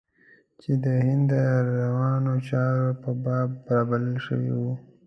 چې د هند د روانو چارو په باب رابلل شوی و.